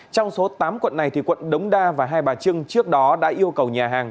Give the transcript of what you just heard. trong số tám quận này quận đống đa và hai bà trưng trước đó đã yêu cầu nhà hàng